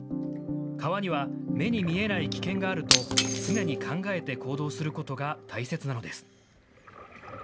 川には目に見えない危険があると常に考えて行動することが大切なのです。